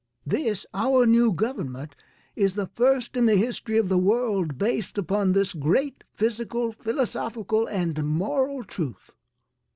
This, our new government, is the first in the history of the world based upon this great physical, philosophical and moral truth.